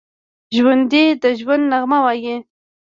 ژوندي د ژوند نغمه وايي